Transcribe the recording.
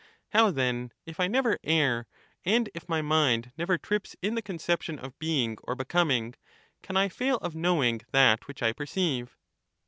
How then, if I never err, and if my mind never trips in the conception of being or becoming, can I fail of knowing that which I perceive